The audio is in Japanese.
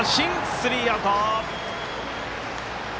スリーアウト。